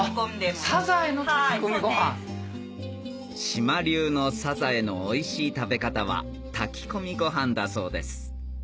島流のサザエのおいしい食べ方は炊き込みご飯だそうです